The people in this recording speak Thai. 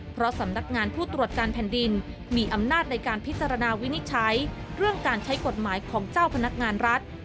เพราะสำนักงานผู้ตรวจการแผ่นดินมีอำนาจในการพิจารณาวินิจฉัยเรื่องการใช้กฎหมายของเจ้าพนักงานรัฐ